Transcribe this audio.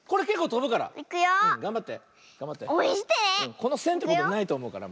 このせんってことないとおもうから。